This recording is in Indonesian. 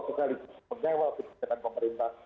sekaligus menyewa kepentingan pemerintah